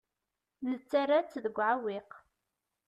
Nettarra-tt deg uɛewwiq.